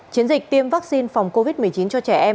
chiến dịch tiêm vaccine phòng covid một mươi chín cho trẻ em